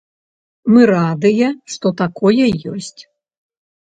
Мы радыя, што такое ёсць.